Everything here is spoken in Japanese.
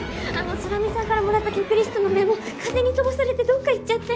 空海さんからもらった曲リストのメモ風に飛ばされてどっか行っちゃって。